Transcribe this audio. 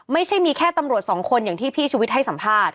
ไม่ใช่มีแค่ตำรวจสองคนอย่างที่พี่ชุวิตให้สัมภาษณ